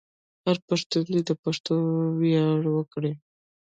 هر پښتون دې د پښتو ویاړ وکړي.